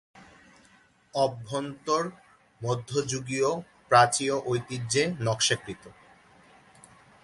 অভ্যন্তর মধ্যযুগীয় প্রাচ্যীয় ঐতিহ্যে নকশাকৃত।